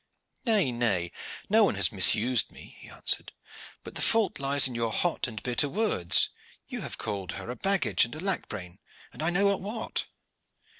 "Nay, nay, no one has misused me," he answered. "But the fault lies in your hot and bitter words. You have called her a baggage and a lack brain, and I know not what."